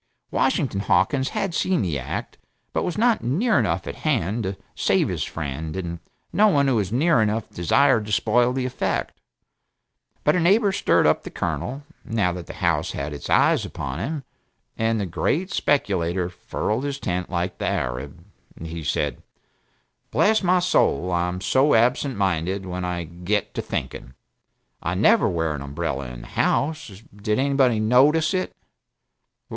Washington Hawkins had seen the act, but was not near enough at hand to save his friend, and no one who was near enough desired to spoil the effect. But a neighbor stirred up the Colonel, now that the House had its eye upon him, and the great speculator furled his tent like the Arab. He said: "Bless my soul, I'm so absent minded when I get to thinking! I never wear an umbrella in the house did anybody 'notice it'?